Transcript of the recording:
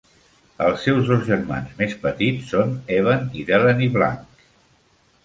Els seus dos germans més petits són Evan i Delaney Blanc.